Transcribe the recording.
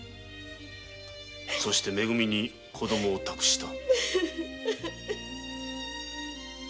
そしてめ組に子供を託した。